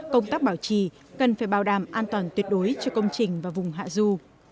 công tác bảo trì cần phải bảo đảm an toàn tuyệt đối cho công trình và vùng hạ du